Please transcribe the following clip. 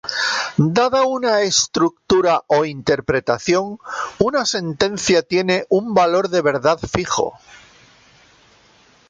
Dada una estructura o interpretación, una sentencia tiene un valor de verdad fijo.